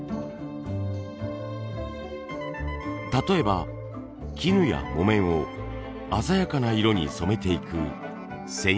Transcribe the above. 例えば絹や木綿を鮮やかな色に染めていく染色。